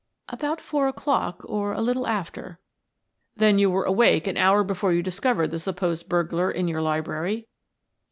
"About four o'clock, or a little after." "Then you were awake an hour before you discovered the supposed burglar in your library?"